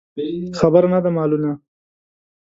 خبره نه ده مالونه.